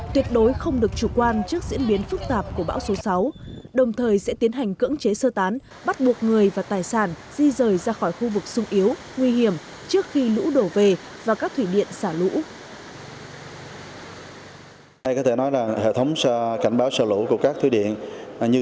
tuyệt đối không được chủ quan trước diễn biến phức tạp của bão số sáu đồng thời sẽ tiến hành cưỡng chế sơ tán bắt buộc người và tài sản di rời ra khỏi khu vực sung yếu nguy hiểm trước khi lũ đổ về và các thủy điện xả lũ